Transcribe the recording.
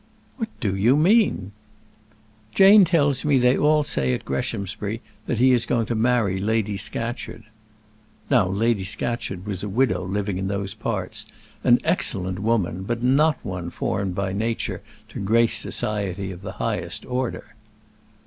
"What do you mean?" "Jane tells me that they all say at Greshamsbury that he is going to marry Lady Scatcherd." Now Lady Scatcherd was a widow living in those parts; an excellent woman, but one not formed by nature to grace society of the highest order.